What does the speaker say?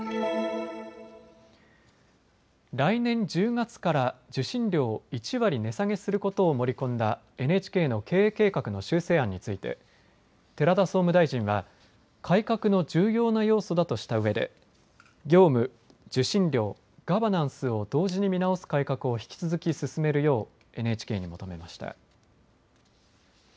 来年１０月から受信料を１割値下げすることを盛り込んだＮＨＫの経営計画の修正案について寺田総務大臣は改革の重要な要素だとしたうえで業務、受信料、ガバナンスを同時に見直す改革を引き続き進めるようＮＨＫに求めました。